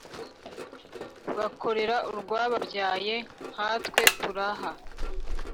bakorera urwababyaye nkatwe turaha